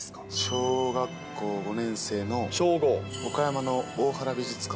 小学校５年生の、岡山の大原美術館。